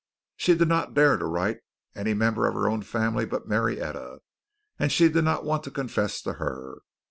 She did not dare to write to any member of her own family but Marietta, and she did not want to confess to her.